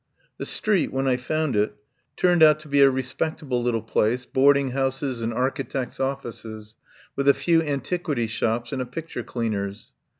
The street, when I found it, turned out to be a respectable little place, boarding houses and architects' offices, with a few antiquity shops and a picture cleaner's.